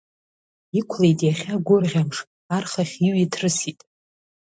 Иқәлеит иахьа гәырӷьамш, архахь иҩ иҭрысит.